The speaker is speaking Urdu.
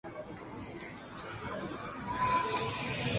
یوں گلگت بلتستان میں تحریک جعفریہ کی حکومت بن گئی